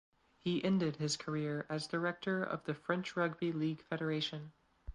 He ended his career as director of the French Rugby League Federation.